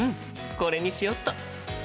これにしよっと。